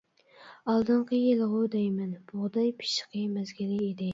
ئالدىنقى يىلىغۇ دەيمەن، بۇغداي پىششىقى مەزگىلى ئىدى.